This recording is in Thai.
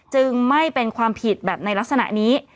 จึงไม่เป็นความผิดแบบในลักษณะนี้